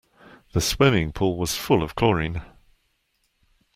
The swimming pool was full of chlorine.